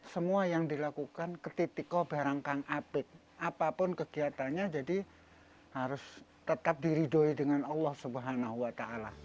semua yang dilakukan ketitikobarangkang apik apapun kegiatannya jadi harus tetap diriduhi dengan allah swt